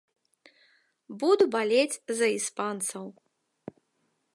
Буду балець за іспанцаў.